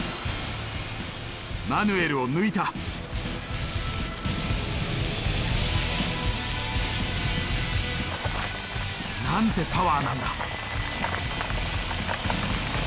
マヌエルを抜いた。なんてパワーなんだ。